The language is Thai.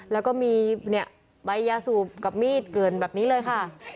แล้วก็มีใบยาสูบกับมีดเกลือนแบบนี้เลยค่ะ